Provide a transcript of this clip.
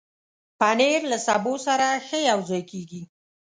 پنېر له سبو سره ښه یوځای کېږي.